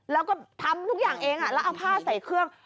แล้วก็ทำทุกอย่างเองแล้วเอาผ้าใส่เครื่อง